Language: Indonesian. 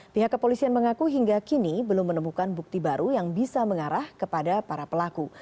pihak kepolisian mengaku hingga kini belum menemukan bukti baru yang bisa mengarah kepada para pelaku